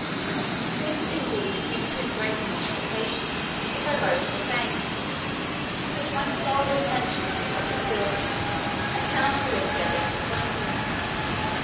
This indeed would be too great a mortification, if I wrote for fame: but as my sole intention was the public good, I cannot be altogether disappointed.